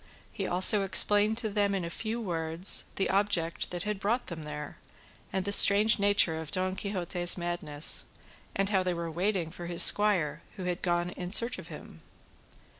He also explained to them in a few words the object that had brought them there, and the strange nature of Don Quixote's madness, and how they were waiting for his squire, who had gone in search of him.